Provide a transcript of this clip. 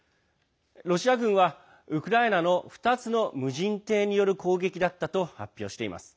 ロシア軍はウクライナの２つの無人艇による攻撃だったと発表しています。